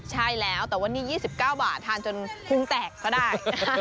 ใช่แล้วแต่วันนี้๒๙บาททานจนพุงแตกก็ได้